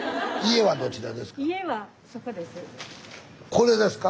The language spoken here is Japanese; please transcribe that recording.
これですか？